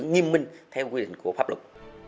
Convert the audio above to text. nghiêm minh theo quy định của pháp luật